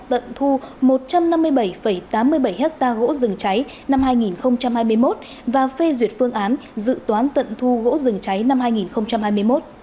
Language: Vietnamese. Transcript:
tận thu một trăm năm mươi bảy tám mươi bảy hectare gỗ rừng cháy năm hai nghìn hai mươi một và phê duyệt phương án dự toán tận thu gỗ rừng cháy năm hai nghìn hai mươi một